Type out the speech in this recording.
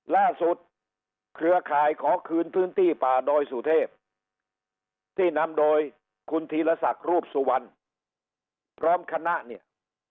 เครือข่ายขอคืนพื้นที่ป่าดอยสุเทพที่นำโดยคุณธีรศักดิ์รูปสุวรรณพร้อมคณะเนี่ย